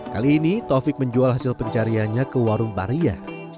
kali ini taufik menjual hasil pencariannya ke warung baria